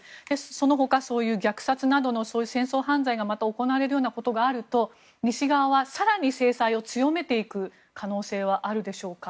その他、虐殺などのそういうそういう戦争犯罪が行われるようなことがあると西側は、更に制裁を強めていく可能性はあるでしょうか。